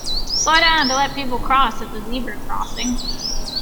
Slow down to let people cross at the zebra crossing.